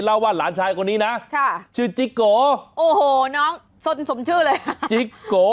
เล่าว่าหลานชายคนนี้นะค่ะชื่อจิ๊กโกโอ้โหน้องสนสมชื่อเลยจิ๊กโก